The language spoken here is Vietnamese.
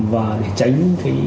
và để tránh